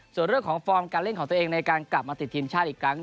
ส่วนเรื่องของฟอร์มการเล่นของตัวเองในการกลับมาติดทีมชาติอีกครั้ง